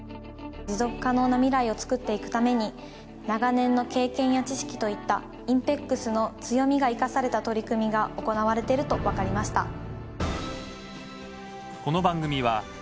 持続可能な未来を作っていくために長年の経験や知識といったＩＮＰＥＸの強みが生かされた取り組みが行われてるとわかりました。